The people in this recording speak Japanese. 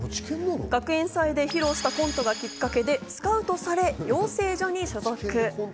学園祭で披露したコントがきっかけでスカウトされ、養成所へ所属。